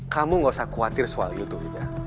kamu gak usah khawatir soal itu hilda